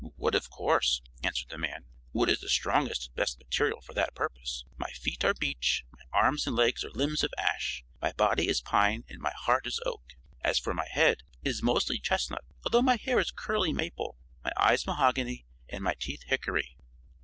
"Wood, of course," answered the man. "Wood is the strongest and best material for that purpose. My feet are beech, my arms and legs are limbs of ash, my body is pine and my heart is oak. As for my head, it is mostly chestnut, although my hair is curly maple, my eyes mahogany and my teeth hickory."